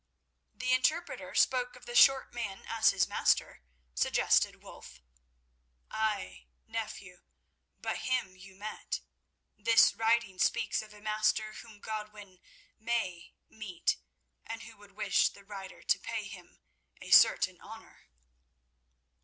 "The interpreter spoke of the short man as his master," suggested Wulf. "Ay, nephew; but him you met. This writing speaks of a master whom Godwin may meet, and who would wish the writer to pay him a certain honour."